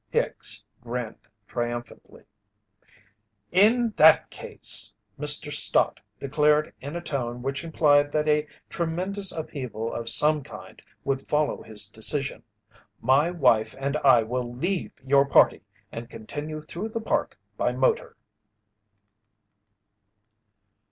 Hicks grinned triumphantly. "In that case," Mr. Stott declared in a tone which implied that a tremendous upheaval of some kind would follow his decision, "my wife and I will leave your party and continue through the Park by motor."